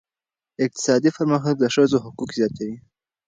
اقتصادي پرمختګ د ښځو حقوق زیاتوي.